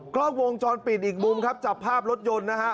กล้องวงจรปิดอีกมุมครับจับภาพรถยนต์นะฮะ